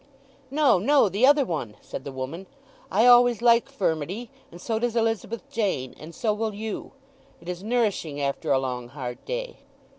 "No—no—the other one," said the woman. "I always like furmity; and so does Elizabeth Jane; and so will you. It is nourishing after a long hard day."